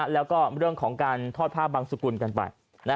แล้วก็เรื่องของการทอดผ้าบังสุกุลกันไป